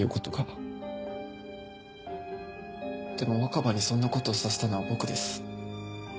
でも若葉にそんな事をさせたのは僕です。